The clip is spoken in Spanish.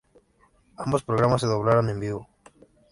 Ambos programas se doblaron en vivo.